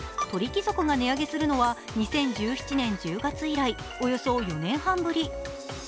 鳥貴族が値上げするのは２９１７年１０月以来およそ４年半ぶり。